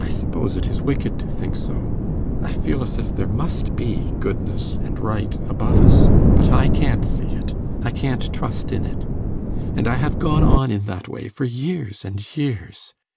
I suppose it is wicked to think so ... I feel as if there must be goodness and right above us, but I can't see it, I can't trust in it. And I have gone on in that way for years and years.